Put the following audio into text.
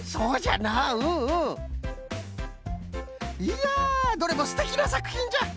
いやどれもすてきなさくひんじゃ！